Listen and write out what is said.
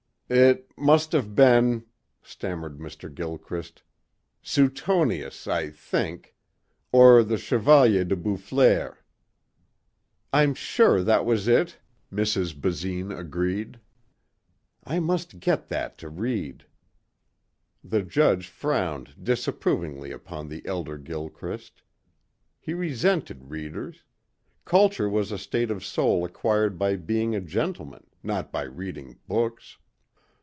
"It must have been," stammered Mr. Gilchrist, "Suetonius, I think. Or ... or the Chevalier de Boufflers...." "I'm sure that was it," Mrs. Basine agreed. "I must get that to read." The judge frowned disapprovingly upon the elder Gilchrist. He resented readers. Culture was a state of soul acquired by being a gentleman, not by reading books.